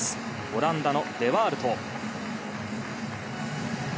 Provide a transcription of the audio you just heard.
オランダのデ・ワールト。